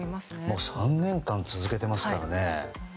もう３年間続けていますからね。